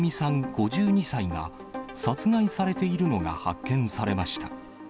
５２歳が、殺害されているのが発見されました。